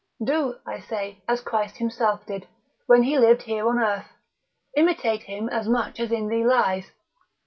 Do (I say) as Christ himself did, when he lived here on earth, imitate him as much as in thee lies.